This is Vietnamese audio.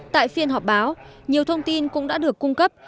tại phiên họp báo nhiều thông tin cũng đã được cung cấp